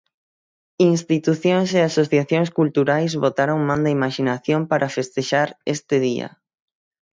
Institucións e asociacións culturais botaron man da imaxinación para festexar este día.